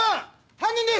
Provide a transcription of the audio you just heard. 犯人です！